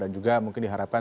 dan juga mungkin diharapkan